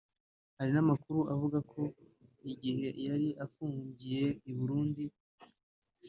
Hari n’amakuru avuga ko igihe yari afungiye i Burundi